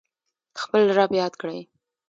خپل رب یاد کړئ